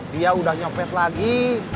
dia udah nyopet lagi